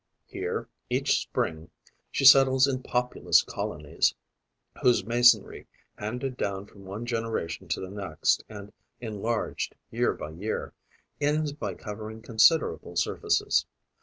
Here, each spring, she settles in populous colonies, whose masonry, handed down from one generation to the next and enlarged year by year, ends by covering considerable surfaces.